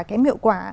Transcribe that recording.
kém hiệu quả